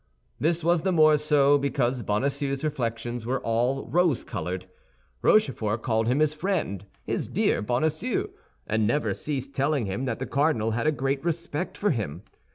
This was the more so because Bonacieux's reflections were all rose colored. Rochefort called him his friend, his dear Bonacieux, and never ceased telling him that the cardinal had a great respect for him.